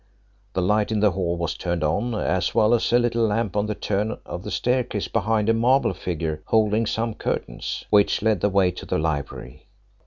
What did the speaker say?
The light in the hall was turned on, as well as a little lamp on the turn of the staircase behind a marble figure holding some curtains, which led the way to the library.